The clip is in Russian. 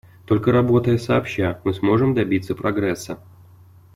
Только работая сообща, мы сможем добиться прогресса.